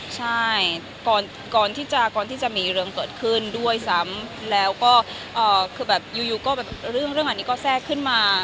ใช้ก่อนที่จะมีเรื่องเกิดขึ้นด้วยซ้ำอยู่ก็แรงเรื่องอันนี้ก็แทรกขึ้นมา